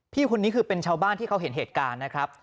พี่คนนี้คือเป็นชาวบ้านที่เขาเห็นเหตุการณ์นะครับ